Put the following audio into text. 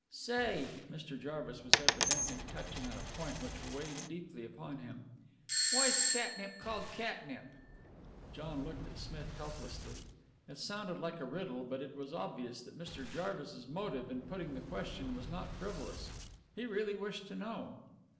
"Say" Mr. Jarvis was evidently touching on a point which had weighed deeply upon him "why's catnip called catnip?" John looked at Smith helplessly. It sounded like a riddle, but it was obvious that Mr. Jarvis's motive in putting the question was not frivolous. He really wished to know.